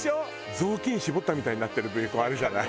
雑巾絞ったみたいになってるベーコンあるじゃない。